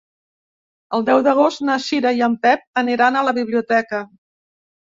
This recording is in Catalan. El deu d'agost na Cira i en Pep aniran a la biblioteca.